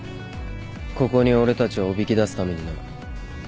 ここに俺たちをおびき出すためにな。